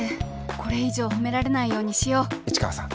これ以上褒められないようにしよう市川さん